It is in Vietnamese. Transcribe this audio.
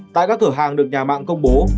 tại các thở hàng được nhà mạng công bố